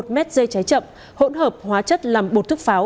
một mét dây trái chậm hỗn hợp hóa chất làm bột thuốc pháo